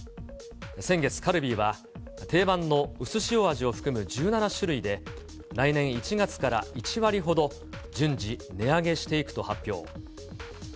先月、カルビーは、定番のうすしお味を含む１７種類で、来年１月から１割ほど、順次、値上げしていくと発表。